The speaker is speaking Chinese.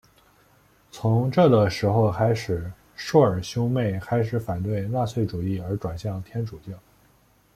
从这个时候开始朔尔兄妹开始反对纳粹主义而转向天主教。